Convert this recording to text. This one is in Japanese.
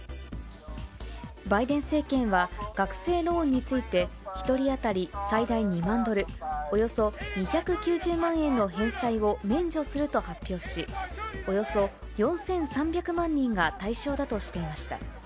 バイデン政権は、学生ローンについて、１人当たり最大２万ドル、およそ２９０万円の返済を免除すると発表し、およそ４３００万人が対象だとしていました。